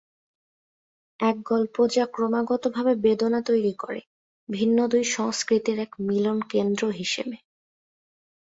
এক গল্প যা ক্রমাগত ভাবে বেদনা তৈরী করে, ভিন্ন দুই সংস্কৃতির এক মিলন কেন্দ্র হিসেবে।